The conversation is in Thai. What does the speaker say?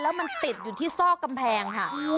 แล้วมันติดอยู่ที่ซอกกำแพงค่ะ